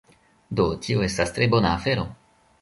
Do, tio estas tre bona afero